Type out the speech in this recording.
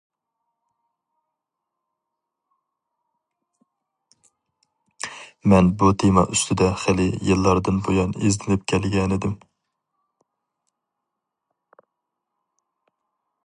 مەن بۇ تېما ئۈستىدە خېلى يىللاردىن بۇيان ئىزدىنىپ كەلگەنىدىم.